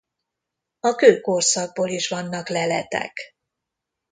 A kőkorszakból is vannak leletek.